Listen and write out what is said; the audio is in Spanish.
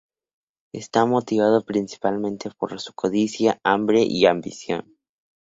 Está motivado principalmente por su codicia, hambre y ambición.